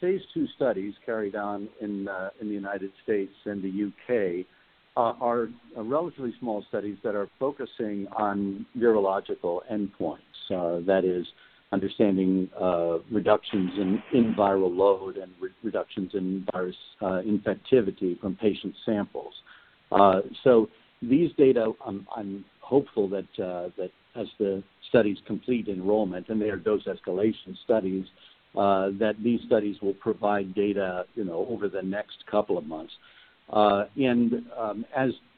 phase II studies carried on in the United States and the U.K. are relatively small studies that are focusing on virological endpoints. That is understanding reductions in viral load and reductions in virus infectivity from patient samples. These data, I'm hopeful that as the studies complete enrollment, and they are dose escalation studies, that these studies will provide data over the next couple of months.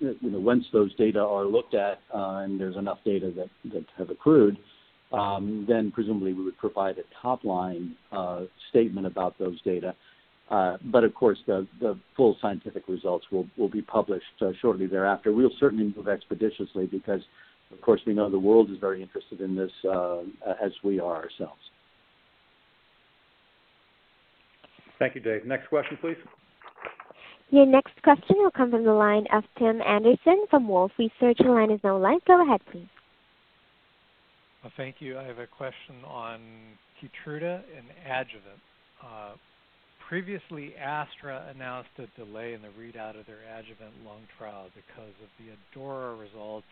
Once those data are looked at and there's enough data that have accrued, presumably we would provide a top-line statement about those data. Of course, the full scientific results will be published shortly thereafter. We'll certainly move expeditiously because, of course, we know the world is very interested in this as we are ourselves. Thank you, Dave. Next question, please. Your next question will come from the line of Tim Anderson from Wolfe Research. Your line is now live. Go ahead, please. Thank you. I have a question on KEYTRUDA and adjuvant. Previously, AstraZeneca announced a delay in the readout of their adjuvant lung trial because of the ADAURA results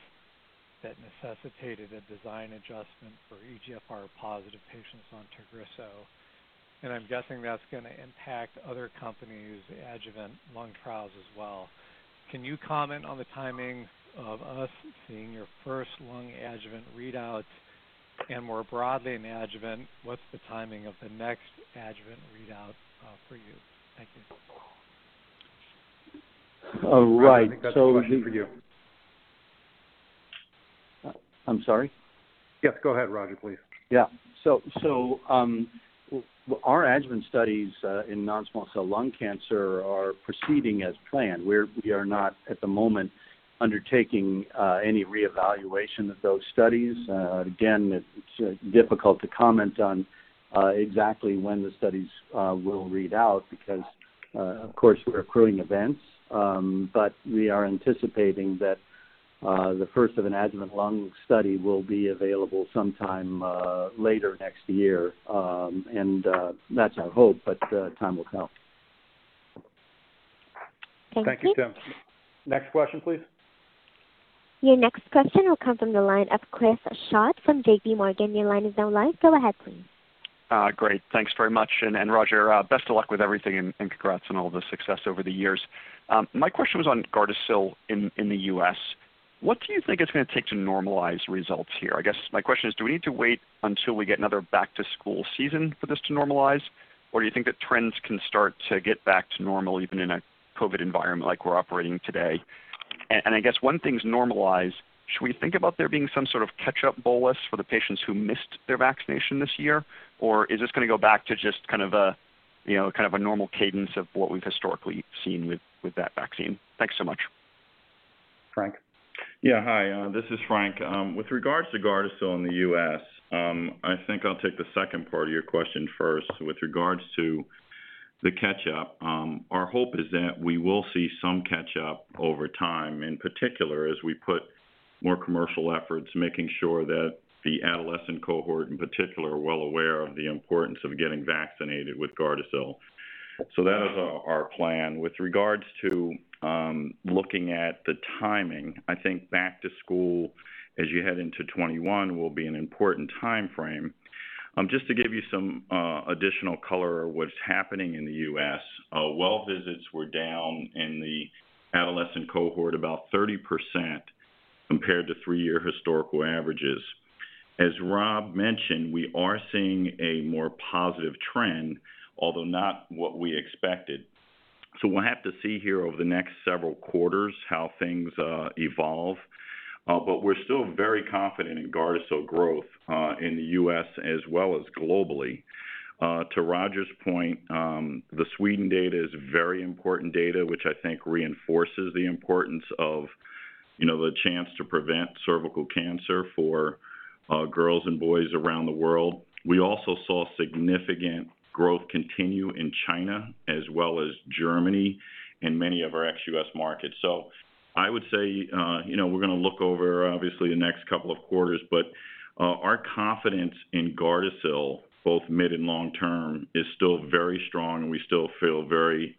that necessitated a design adjustment for EGFR-positive patients on TAGRISSO. I'm guessing that's going to impact other companies' adjuvant lung trials as well. Can you comment on the timing of us seeing your first lung adjuvant readout? More broadly in adjuvant, what's the timing of the next adjuvant readout for you? Thank you. Right. I think that's a question for you. I'm sorry? Yes, go ahead, Roger, please. Yeah. Our adjuvant studies in non-small cell lung cancer are proceeding as planned. We are not, at the moment, undertaking any reevaluation of those studies. Again, it's difficult to comment on exactly when the studies will read out because, of course, we're accruing events. We are anticipating that the first of an adjuvant lung study will be available sometime later next year. That's our hope, but time will tell. Thank you. Thank you, Tim. Next question, please. Your next question will come from the line of Chris Schott from JPMorgan. Your line is now live. Go ahead, please. Great. Thanks very much. Roger, best of luck with everything and congrats on all the success over the years. My question was on GARDASIL in the U.S. What do you think it's going to take to normalize results here? I guess my question is, do we need to wait until we get another back-to-school season for this to normalize? Do you think that trends can start to get back to normal even in a COVID environment like we're operating today? I guess once things normalize, should we think about there being some sort of catch-up bolus for the patients who missed their vaccination this year? Is this going to go back to just kind of a normal cadence of what we've historically seen with that vaccine? Thanks so much. Frank? Yeah. Hi, this is Frank. With regards to GARDASIL in the U.S., I think I'll take the second part of your question first. With regards to the catch-up, our hope is that we will see some catch-up over time, in particular, as we put more commercial efforts, making sure that the adolescent cohort, in particular, are well aware of the importance of getting vaccinated with GARDASIL. That is our plan. With regards to looking at the timing, I think back to school as you head into 2021 will be an important timeframe. Just to give you some additional color of what's happening in the U.S., well visits were down in the adolescent cohort about 30% compared to three-year historical averages. As Rob mentioned, we are seeing a more positive trend, although not what we expected. We'll have to see here over the next several quarters how things evolve. We're still very confident in GARDASIL growth in the U.S. as well as globally. To Roger's point, the Sweden data is very important data, which I think reinforces the importance of the chance to prevent cervical cancer for girls and boys around the world. We also saw significant growth continue in China as well as Germany and many of our ex-U.S. markets. I would say we're going to look over, obviously, the next couple of quarters, but our confidence in GARDASIL, both mid and long term, is still very strong, and we still feel very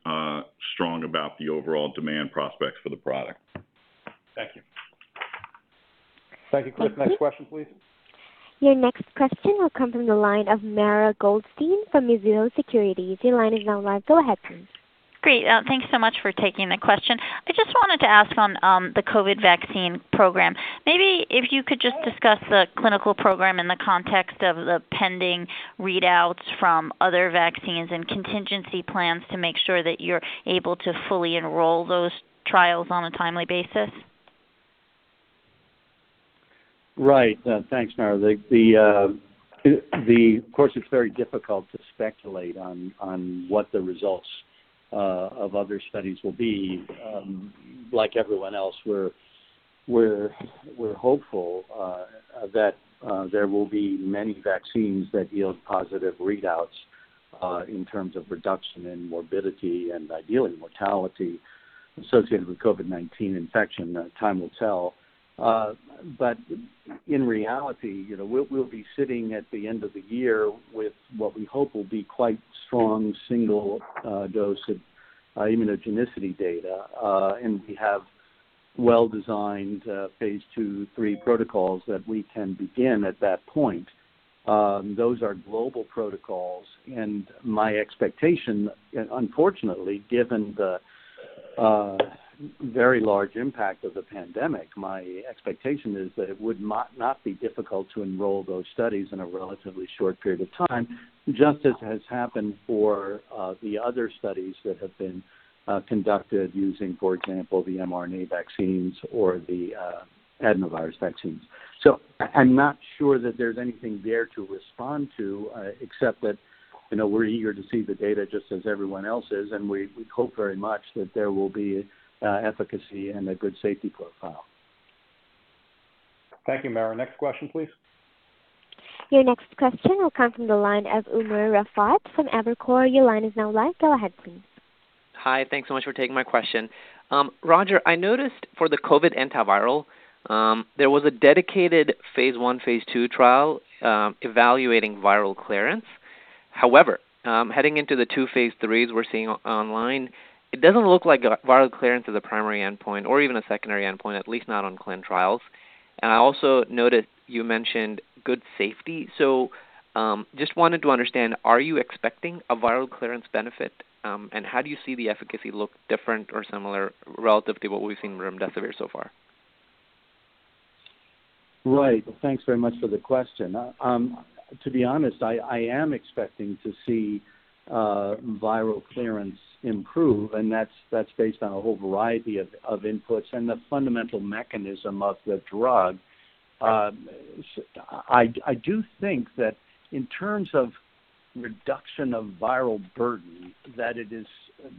strong about the overall demand prospects for the product. Thank you. Thank you, Chris. Next question, please. Your next question will come from the line of Mara Goldstein from Mizuho Securities. Your line is now live. Go ahead, please. Great. Thanks so much for taking the question. I just wanted to ask on the COVID vaccine program, maybe if you could just discuss the clinical program in the context of the pending readouts from other vaccines and contingency plans to make sure that you're able to fully enroll those trials on a timely basis. Right. Thanks, Mara. Of course, it's very difficult to speculate on what the results of other studies will be. Like everyone else, we're hopeful that there will be many vaccines that yield positive readouts in terms of reduction in morbidity and, ideally, mortality associated with COVID-19 infection. Time will tell. In reality, we'll be sitting at the end of the year with what we hope will be quite strong single dose of immunogenicity data. We have well-designed phase II, III protocols that we can begin at that point. Those are global protocols, my expectation, unfortunately, given the very large impact of the pandemic, my expectation is that it would not be difficult to enroll those studies in a relatively short period of time, just as has happened for the other studies that have been conducted using, for example, the mRNA vaccines or the adenovirus vaccines. I'm not sure that there's anything there to respond to except that we're eager to see the data just as everyone else is, and we hope very much that there will be efficacy and a good safety profile. Thank you, Mara. Next question, please. Your next question will come from the line of Umer Raffat from Evercore. Your line is now live. Go ahead, please. Hi. Thanks so much for taking my question. Roger, I noticed for the COVID antiviral, there was a dedicated phase I, phase II trial evaluating viral clearance. Heading into the two phase IIIs we're seeing online, it doesn't look like viral clearance is a primary endpoint or even a secondary endpoint, at least not on clin trials. I also noted you mentioned good safety. Just wanted to understand, are you expecting a viral clearance benefit? How do you see the efficacy look different or similar relative to what we've seen with remdesivir so far? Right. Thanks very much for the question. To be honest, I am expecting to see viral clearance improve, and that's based on a whole variety of inputs and the fundamental mechanism of the drug. I do think that in terms of reduction of viral burden, that it is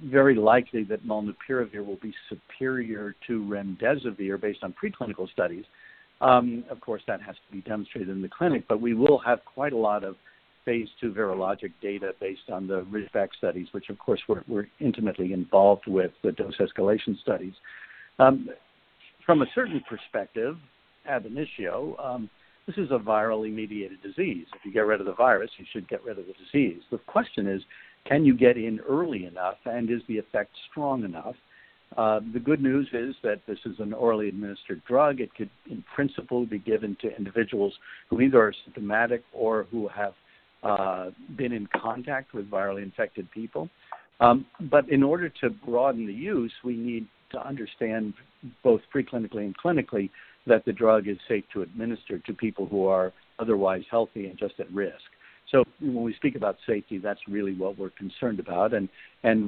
very likely that molnupiravir will be superior to remdesivir based on pre-clinical studies. Of course, that has to be demonstrated in the clinic, but we will have quite a lot of phase II virologic data based on the fact that studies, which of course, we're intimately involved with the dose escalation studies. From a certain perspective, ab initio, this is a virally mediated disease. If you get rid of the virus, you should get rid of the disease. The question is, can you get in early enough, and is the effect strong enough? The good news is that this is an orally administered drug. It could, in principle, be given to individuals who either are symptomatic or who have been in contact with virally infected people. In order to broaden the use, we need to understand both pre-clinically and clinically that the drug is safe to administer to people who are otherwise healthy and just at risk. When we speak about safety, that's really what we're concerned about, and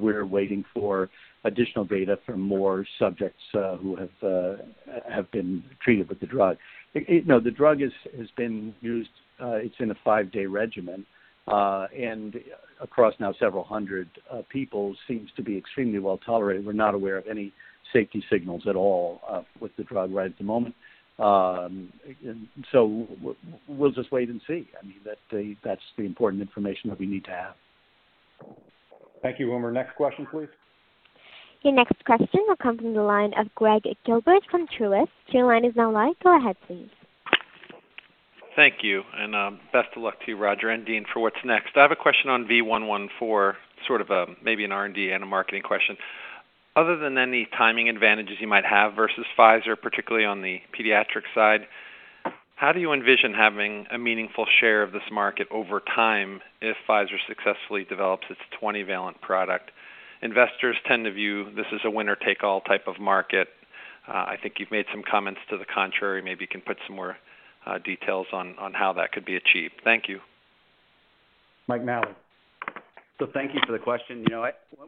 we're waiting for additional data from more subjects who have been treated with the drug. The drug has been used. It's in a five-day regimen. Across now several hundred people seems to be extremely well-tolerated. We're not aware of any safety signals at all with the drug right at the moment. We'll just wait and see. I mean, that's the important information that we need to have. Thank you, Umer. Next question, please. Your next question will come from the line of Gregg Gilbert from Truist. Your line is now live. Go ahead, please. Thank you. Best of luck to you, Roger and Dean, for what's next. I have a question on V114, sort of maybe an R&D and a marketing question. Other than any timing advantages you might have versus Pfizer, particularly on the pediatric side, how do you envision having a meaningful share of this market over time if Pfizer successfully develops its 20-valent product? Investors tend to view this as a winner-take-all type of market. I think you've made some comments to the contrary. Maybe you can put some more details on how that could be achieved. Thank you. Mike Nally. Thank you for the question.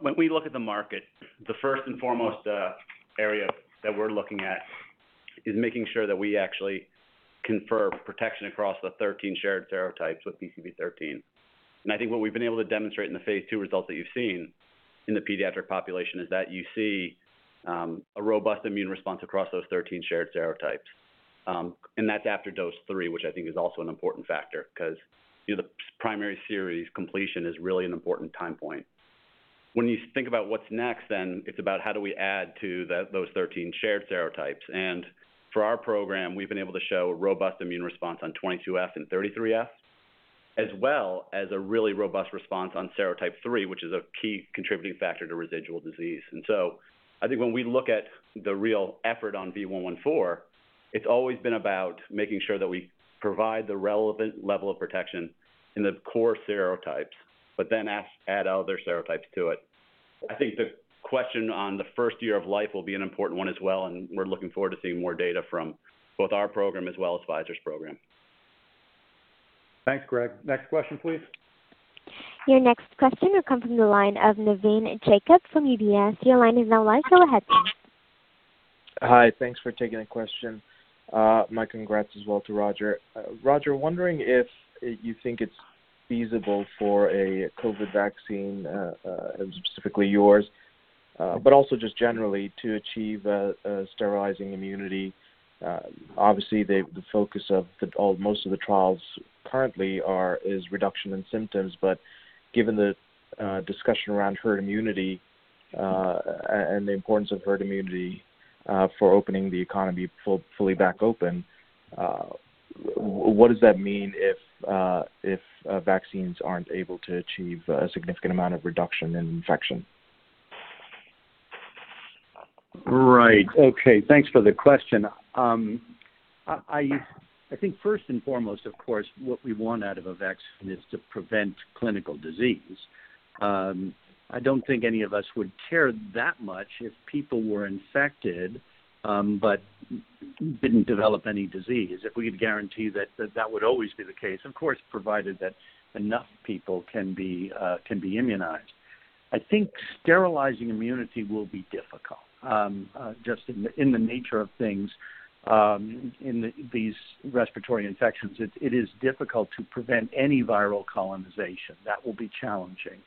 When we look at the market, the first and foremost area that we're looking at is making sure that we actually confer protection across the 13 shared serotypes with PCV13. I think what we've been able to demonstrate in the phase II results that you've seen in the pediatric population is that you see a robust immune response across those 13 shared serotypes. That's after dose 3, which I think is also an important factor because the primary series completion is really an important time point. When you think about what's next, it's about how do we add to those 13 shared serotypes. For our program, we've been able to show a robust immune response on 22F and 33F, as well as a really robust response on serotype 3, which is a key contributing factor to residual disease. I think when we look at the real effort on V114, it's always been about making sure that we provide the relevant level of protection in the core serotypes, but then add other serotypes to it. I think the question on the first year of life will be an important one as well, and we're looking forward to seeing more data from both our program as well as Pfizer's program. Thanks, Gregg. Next question, please. Your next question will come from the line of Navin Jacob from UBS. Your line is now live. Go ahead, please. Hi, thanks for taking the question. My congrats as well to Roger. Roger, wondering if you think it's feasible for a COVID vaccine, specifically yours, but also just generally to achieve a sterilizing immunity. Obviously, the focus of most of the trials currently is reduction in symptoms, but given the discussion around herd immunity, and the importance of herd immunity for opening the economy fully back open, what does that mean if vaccines aren't able to achieve a significant amount of reduction in infection? Right. Okay. Thanks for the question. I think first and foremost, of course, what we want out of a vaccine is to prevent clinical disease. I don't think any of us would care that much if people were infected, but didn't develop any disease, if we could guarantee that that would always be the case. Of course, provided that enough people can be immunized. I think sterilizing immunity will be difficult. Just in the nature of things, in these respiratory infections, it is difficult to prevent any viral colonization. That will be challenging.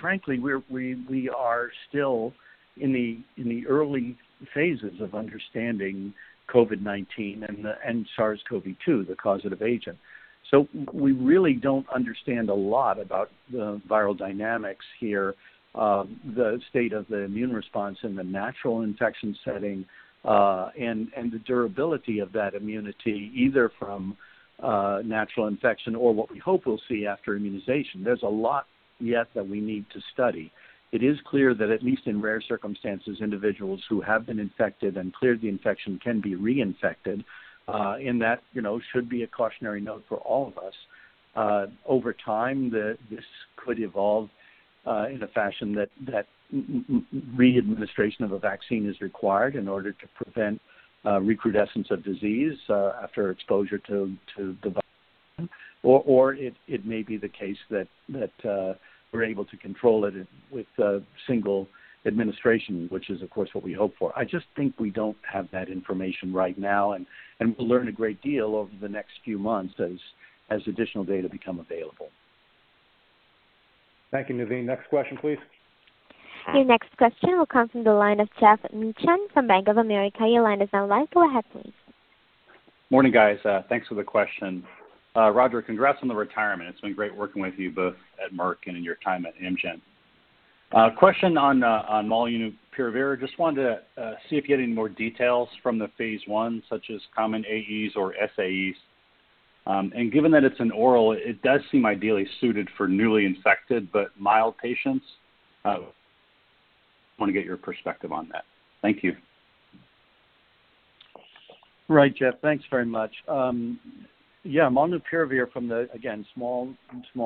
Frankly, we are still in the early phases of understanding COVID-19 and SARS-CoV-2, the causative agent. We really don't understand a lot about the viral dynamics here, the state of the immune response in the natural infection setting, and the durability of that immunity, either from natural infection or what we hope we'll see after immunization. There's a lot yet that we need to study. It is clear that at least in rare circumstances, individuals who have been infected and cleared the infection can be reinfected. That should be a cautionary note for all of us. Over time, this could evolve in a fashion that re-administration of a vaccine is required in order to prevent recrudescence of disease after exposure to the virus. It may be the case that we're able to control it with a single administration, which is, of course, what we hope for. I just think we don't have that information right now, and we'll learn a great deal over the next few months as additional data become available. Thank you, Navin. Next question, please. Your next question will come from the line of Geoff Meacham from Bank of America. Your line is now live. Go ahead, please. Morning, guys. Thanks for the question. Roger, congrats on the retirement. It's been great working with you both at Merck and in your time at Amgen. Question on molnupiravir. Just wanted to see if you had any more details from the phase I, such as common AEs or SAEs. Given that it's an oral, it does seem ideally suited for newly infected but mild patients. I want to get your perspective on that. Thank you. Right, Geoff. Thanks very much. Molnupiravir from the, again, small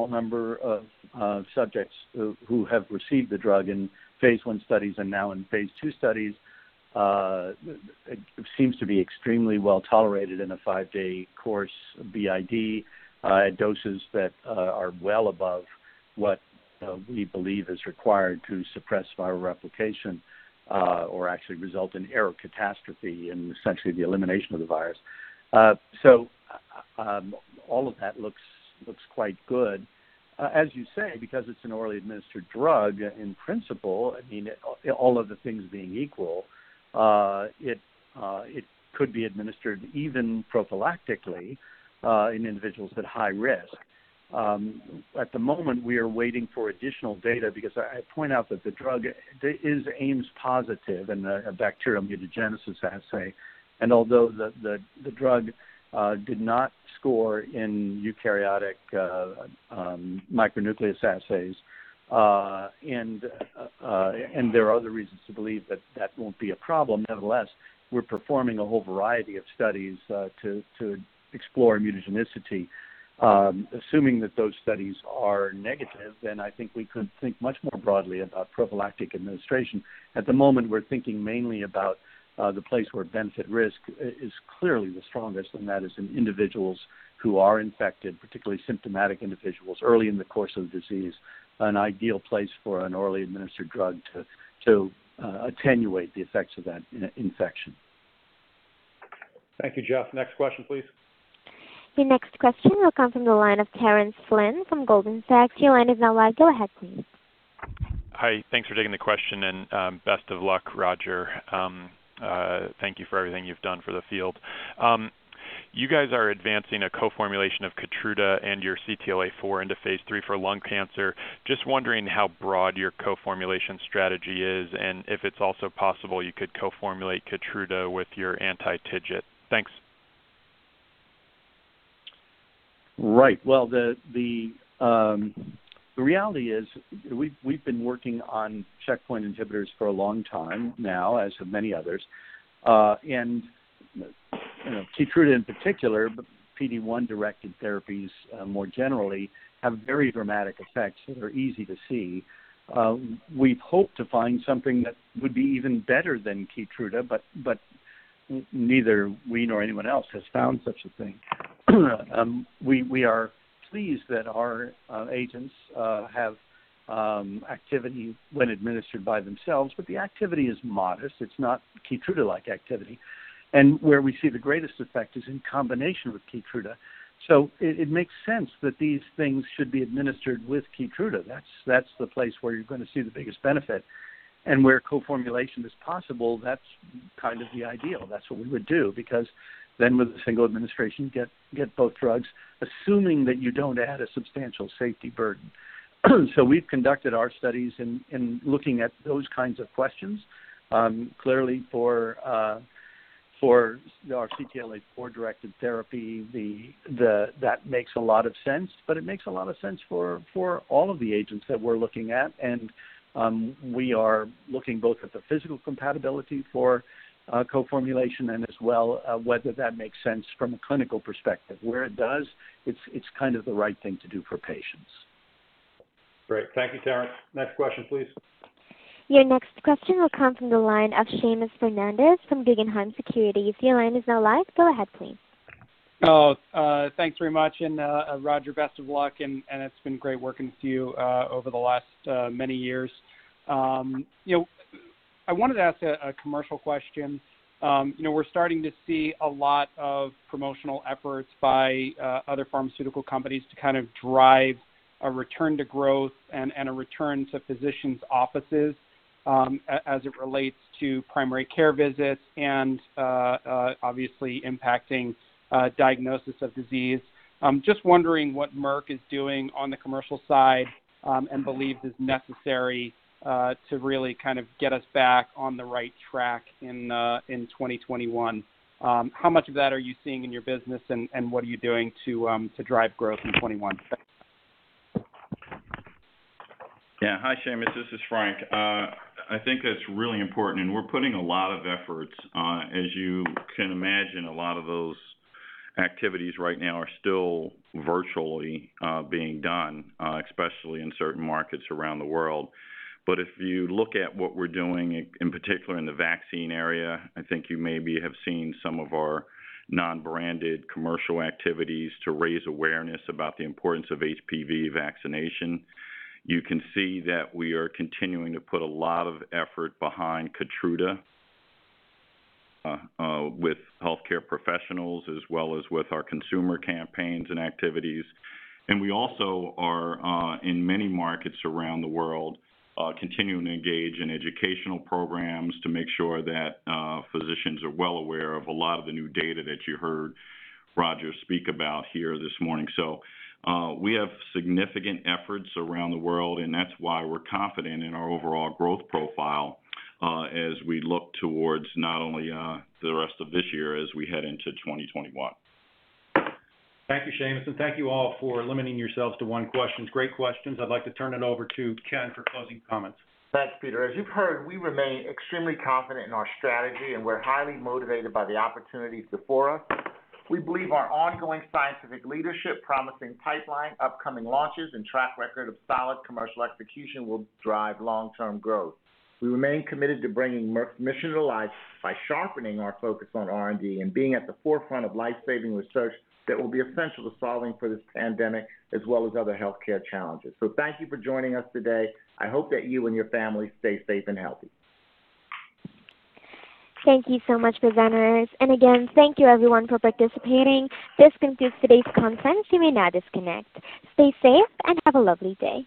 number of subjects who have received the drug in phase I studies and now in phase II studies, it seems to be extremely well-tolerated in a five-day course, BID at doses that are well above what we believe is required to suppress viral replication, or actually result in error catastrophe and essentially the elimination of the virus. All of that looks quite good. As you say, because it's an orally administered drug, in principle, all other things being equal, it could be administered even prophylactically, in individuals at high risk. At the moment, we are waiting for additional data because I point out that the drug is Ames positive in a bacterial mutagenesis assay. Although the drug did not score in eukaryotic micronucleus assays, and there are other reasons to believe that that won't be a problem, nevertheless, we're performing a whole variety of studies to explore mutagenicity. Assuming that those studies are negative, then I think we could think much more broadly about prophylactic administration. At the moment, we're thinking mainly about the place where benefit risk is clearly the strongest, and that is in individuals who are infected, particularly symptomatic individuals early in the course of the disease, an ideal place for an orally administered drug to attenuate the effects of that infection. Thank you, Geoff. Next question, please. Your next question will come from the line of Terence Flynn from Goldman Sachs. Your line is now live. Go ahead, please. Hi. Thanks for taking the question, best of luck, Roger. Thank you for everything you've done for the field. You guys are advancing a co-formulation of KEYTRUDA and your CTLA-4 into phase III for lung cancer. Just wondering how broad your co-formulation strategy is, and if it's also possible you could co-formulate KEYTRUDA with your anti-TIGIT. Thanks. Right. Well, the reality is we've been working on checkpoint inhibitors for a long time now, as have many others. KEYTRUDA in particular, but PD-1-directed therapies more generally, have very dramatic effects that are easy to see. We've hoped to find something that would be even better than KEYTRUDA, but neither we nor anyone else has found such a thing. We are pleased that our agents have activity when administered by themselves, but the activity is modest. It's not KEYTRUDA-like activity. It makes sense that these things should be administered with KEYTRUDA. That's the place where you're going to see the biggest benefit. Where co-formulation is possible, that's kind of the ideal. That's what we would do, because then with a single administration, get both drugs, assuming that you don't add a substantial safety burden. We've conducted our studies in looking at those kinds of questions. Clearly for our CTLA-4-directed therapy, that makes a lot of sense, but it makes a lot of sense for all of the agents that we're looking at, and we are looking both at the physical compatibility for co-formulation and as well whether that makes sense from a clinical perspective. Where it does, it's kind of the right thing to do for patients. Great. Thank you, Terence. Next question, please. Your next question will come from the line of Seamus Fernandez from Guggenheim Securities. Your line is now live. Go ahead, please. Oh, thanks very much. Roger, best of luck, and it's been great working with you over the last many years. I wanted to ask a commercial question. We're starting to see a lot of promotional efforts by other pharmaceutical companies to kind of drive a return to growth and a return to physicians' offices as it relates to primary care visits and obviously impacting diagnosis of disease. Just wondering what Merck is doing on the commercial side and believes is necessary to really kind of get us back on the right track in 2021. How much of that are you seeing in your business, and what are you doing to drive growth in 2021? Yeah. Hi, Seamus. This is Frank. I think that's really important, and we're putting a lot of efforts. As you can imagine, a lot of those activities right now are still virtually being done, especially in certain markets around the world. If you look at what we're doing, in particular in the vaccine area, I think you maybe have seen some of our non-branded commercial activities to raise awareness about the importance of HPV vaccination. You can see that we are continuing to put a lot of effort behind KEYTRUDA with healthcare professionals as well as with our consumer campaigns and activities. We also are, in many markets around the world, continuing to engage in educational programs to make sure that physicians are well aware of a lot of the new data that you heard Roger speak about here this morning. We have significant efforts around the world, and that's why we're confident in our overall growth profile as we look towards not only the rest of this year, as we head into 2021. Thank you, Seamus. Thank you all for limiting yourselves to one question. Great questions. I'd like to turn it over to Ken for closing comments. Thanks, Peter. As you've heard, we remain extremely confident in our strategy, and we're highly motivated by the opportunities before us. We believe our ongoing scientific leadership, promising pipeline, upcoming launches, and track record of solid commercial execution will drive long-term growth. We remain committed to bringing Merck's mission to life by sharpening our focus on R&D and being at the forefront of life-saving research that will be essential to solving for this pandemic as well as other healthcare challenges. Thank you for joining us today. I hope that you and your families stay safe and healthy. Thank you so much, presenters. Again, thank you everyone for participating. This concludes today's conference. You may now disconnect. Stay safe, and have a lovely day.